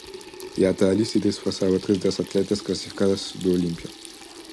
E ata alí se desprazaban tres das atletas clasificadas do Olimpia.